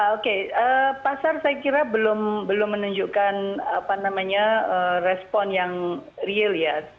oke pasar saya kira belum menunjukkan respon yang real ya